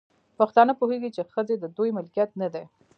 پښتانه پوهيږي، چې ښځې د دوی ملکيت نه دی